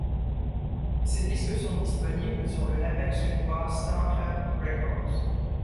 Ses disques sont disponibles sur le label suédois Star Club Records.